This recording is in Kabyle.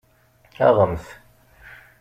Aɣemt!